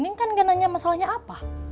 ini kan gak nanya masalahnya apa